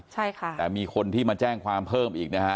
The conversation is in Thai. ใช่ค่ะแต่มีคนที่มาแจ้งความเพิ่มอีกนะฮะ